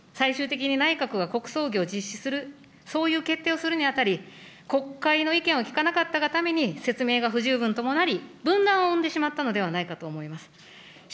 最終的に内閣が国葬儀を実施する、そういう決定をするにあたり、国会の意見を聞かなかったがために、説明が不十分ともなり、分断を生んでしまったのではないかと思います。